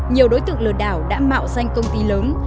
nhiều đối tượng lừa đảo đã mạo danh công ty lớn